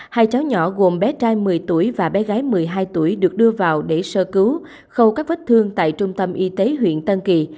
hai cháu nhỏ gồm bé trai một mươi tuổi và bé gái một mươi hai tuổi được đưa vào để sơ cứu khâu các vết thương tại trung tâm y tế huyện tân kỳ